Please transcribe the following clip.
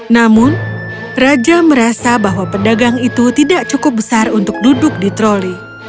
namun raja merasa bahwa pedagang itu tidak cukup besar untuk duduk di troli